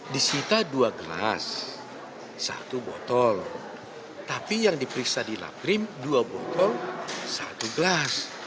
disita dua gelas satu botol tapi yang diperiksa di laprim dua botol satu gelas